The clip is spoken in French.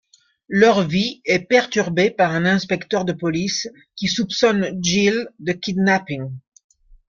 Leur vie est perturbée par un inspecteur de police qui soupçonne Gil de kidnapping.